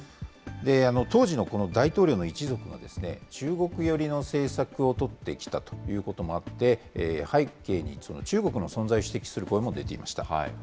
当時の大統領の一族が中国寄りの政策を取ってきたということもあって、背景に中国の存在を指摘する声も出ていました。